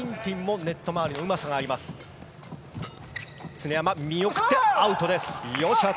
常山、見送ってアウト。